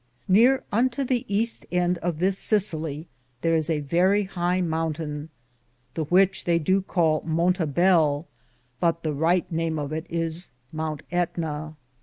Neare unto the easte ende of this Cissillie there is a verrie heie mountayne, the which they do cale Montabell, but the ryghte name of it is mounte Ettna.